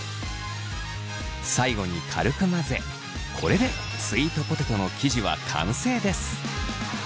最後に軽く混ぜこれでスイートポテトの生地は完成です。